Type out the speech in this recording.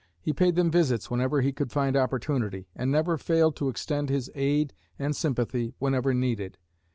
He paid them visits whenever he could find opportunity, and never failed to extend his aid and sympathy whenever needed.